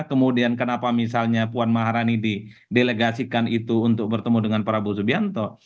kemudian kenapa misalnya puan maharani didelegasikan itu untuk bertemu dengan prabowo subianto